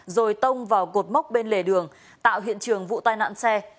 rồi tông vào cột mốc bên lề đường tạo hiện trường vụ tai nạn xe